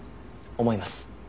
思います。